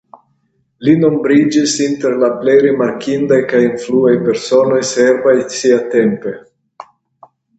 Li nombriĝis inter la plej rimarkindaj kaj influaj personoj serbaj siatempe.